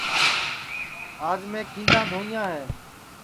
آج میں کھیندا دھوئیاں ہے